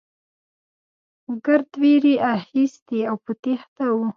ګرد وېرې اخيستي او په تېښته وو.